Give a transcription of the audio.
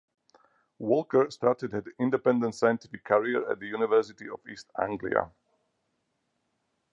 Walker started her independent scientific career at the University of East Anglia.